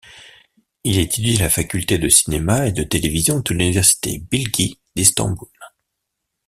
Il étudie à la faculté de cinéma et de télévision de l'université Bilgi d'Istanbul.